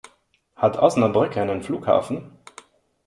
Hat Osnabrück einen Flughafen?